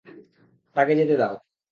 তাকে যেতে দাও!